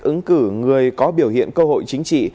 ứng cử người có biểu hiện cơ hội chính trị